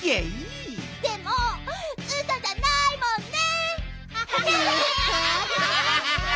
でもウソじゃないもんね！